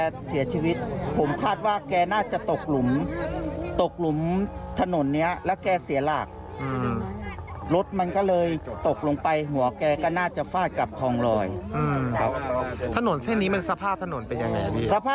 เดี๋ยวฟังเสียงลานชายหน่อยค่ะ